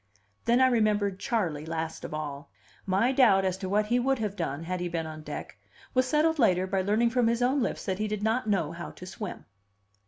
Then I remembered Charley, last of all. My doubt as to what he would have done, had he been on deck, was settled later by learning from his own lips that he did not know how to swim.